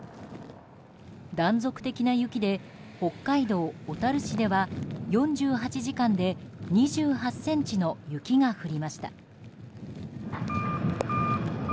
断続的な雪で北海道小樽市では４８時間で２８ｃｍの雪が降りました。